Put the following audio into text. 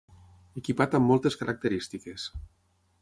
Equipat amb moltes característiques.